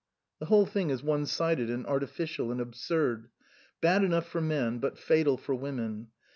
"The whole thing is one sided and artificial and absurd. Bad enough for men, but fatal for women.